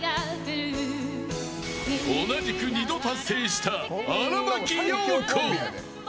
同じく２度達成した荒牧陽子。